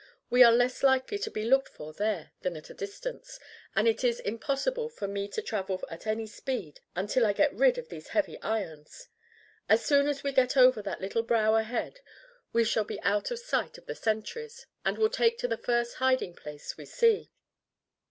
We are less likely to be looked for there than at a distance, and it is impossible for me to travel at any speed until I get rid of these heavy irons. As soon as we get over that little brow ahead we shall be out of sight of the sentries, and will take to the first hiding place we see."